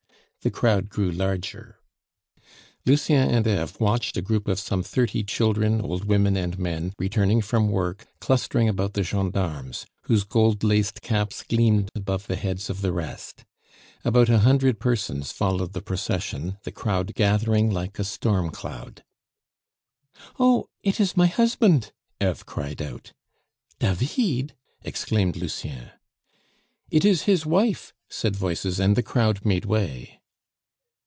The crowd grew larger. Lucien and Eve watched a group of some thirty children, old women and men, returning from work, clustering about the gendarmes, whose gold laced caps gleamed above the heads of the rest. About a hundred persons followed the procession, the crowd gathering like a storm cloud. "Oh! it is my husband!" Eve cried out. "David!" exclaimed Lucien. "It is his wife," said voices, and the crowd made way.